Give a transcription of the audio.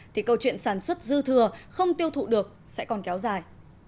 thì câu chuyện sản xuất dư thừa không tiêu thụ được sẽ còn kéo dài